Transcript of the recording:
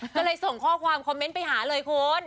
ก็เลยส่งข้อความคอมเมนต์ไปหาเลยคุณ